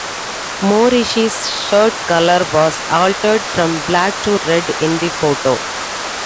Morrissey's shirt colour was altered from black to red in the photo.